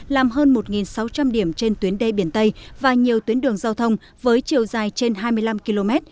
làm hơn một sáu trăm linh điểm trên tuyến đê biển tây và nhiều tuyến đường giao thông với chiều dài trên hai mươi năm km